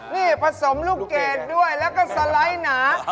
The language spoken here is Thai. นี่ผสมลูกเกดด้วยแล้วก็สไลด์หนา